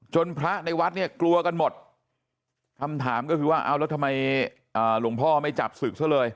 พระในวัดเนี่ยกลัวกันหมดคำถามก็คือว่าเอาแล้วทำไมหลวงพ่อไม่จับศึกซะเลย